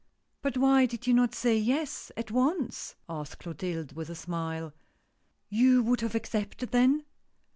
" But why did you not say yes, at once ?" asked Clotilde with a smile. "You would have accepted then?"